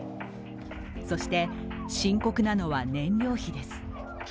そして深刻なのが燃料費です。